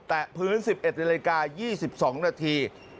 แตะพื้น๑๑ในรายการ๒๒นาที